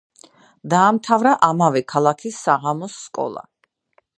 დაამთავრა ამავე ქალაქის საღამოს სკოლა.